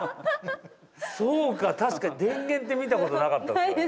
そうか確かに電源って見たことなかったですね。